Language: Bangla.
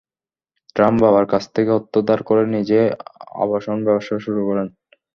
ট্রাম্প বাবার কাছ থেকে অর্থ ধার করে নিজেই আবাসন ব্যবসা শুরু করেন।